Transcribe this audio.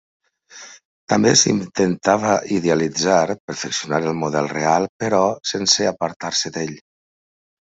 També s’intentava idealitzar, perfeccionar el model real, però sense apartar-se d’ell.